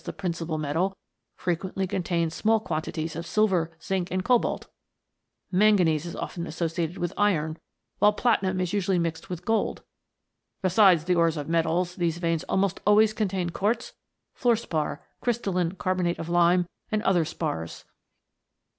271 the principal metal, frequently contains small quan tities of silver, zinc, and cobalt ; manganese is often associated with iron, while platinum is usually mixed with gold. Besides the ores of metals, these veins almost always contain quartz, fluorspar, crys talline carbonate of lime, and other spars.